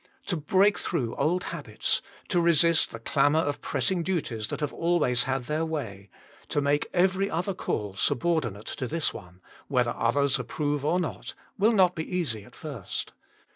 To break through old habits, to resist the clamour of pressing duties that have always had their way, to make every other call subordinate to this one, whether others approve or not, will not be easy at first.